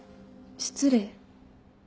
失礼？